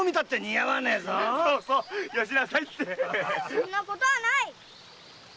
そんなことはない！